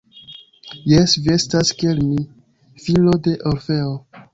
Jes, vi estas kiel mi, filo de Orfeo.